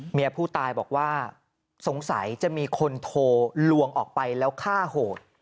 เมียผู้ตายบอกว่าสงสัยจะมีคนโทรลวงออกไปแล้วฆ่าโหด